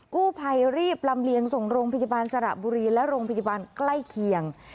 กู้ภัยรีบลำเลียงส่งโรงพยาบาลสระบุรีและโรงพยาบาลใกล้เคียง